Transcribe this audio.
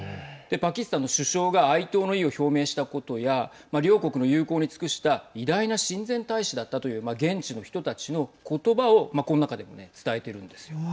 パキスタンの首相が哀悼の意を表明したことや両国の友好に尽くした偉大な親善大使だったという現地の人たちの言葉をこの中でもね伝えてるんですよ。